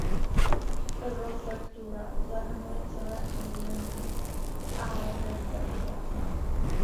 Prefektura zahrnuje celé území Ázerbájdžánu.